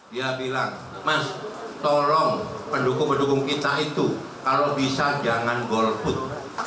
dia bilang mas tolong pendukung pendukung kita itu kalau bisa jangan golput